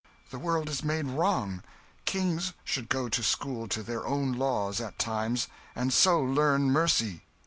The world is made wrong; kings should go to school to their own laws, at times, and so learn mercy."